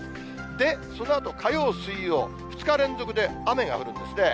で、そのあと火曜、水曜、２日連続で雨が降るんですね。